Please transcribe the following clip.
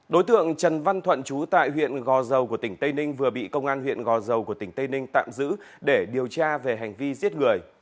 đối tượng trần văn thuận trú tại huyện gò dầu của tỉnh tây ninh vừa bị công an huyện gò dầu của tỉnh tây ninh tạm giữ để điều tra về hành vi giết người